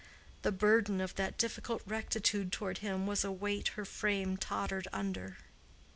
The burden of that difficult rectitude toward him was a weight her frame tottered under.